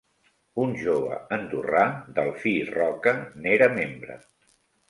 Un jove andorrà, Delfí Roca, n’era membre.